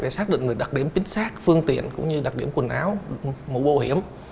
về xác định đặc điểm pin sát phương tiện cũng như đặc điểm quần áo mẫu bộ hiểm